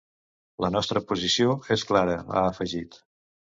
La nostra posició és clara, ha afegit.